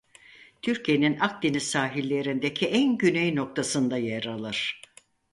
Türkiye'nin Akdeniz sahilindeki en güney noktasında yer alır.